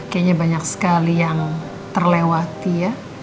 kayaknya banyak sekali yang terlewati ya